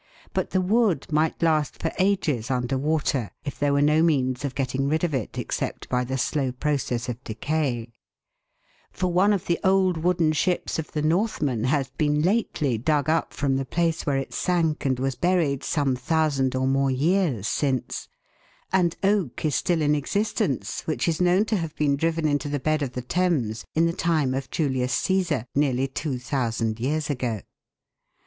But the wood might last for ages under water, if there were no means of getting rid of it except by the slow process of decay ; for one of the old wooden ships of the Northmen has been lately dug up from the place where it sank and was buried some thousand or more years since, and oak is still in existence which is known to have been driven into the bed of the Thames in the time of Julius Caesar, nearly two thousand years ago.